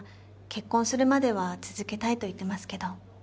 結婚するまでは続けたいと言ってますけど。